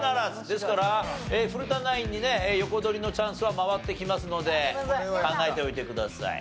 ですから古田ナインにね横取りのチャンスは回ってきますので考えておいてください。